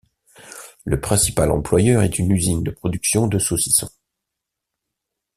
Le principal employeur est une usine de production de saucissons.